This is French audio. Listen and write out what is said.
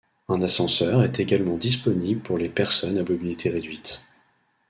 Un ascenseur est également disponible pour les personnes à mobilité réduite.